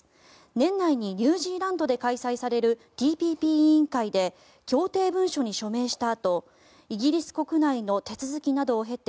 年内にニュージーランドで開催されるＴＰＰ委員会で協定文書に署名したあとイギリス国内の手続きなどを経て